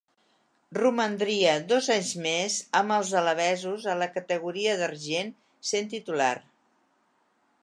Romandria dos anys més amb els alabesos a la categoria d'argent, sent titular.